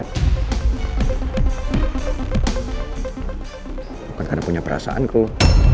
bukan karena punya perasaan ke lo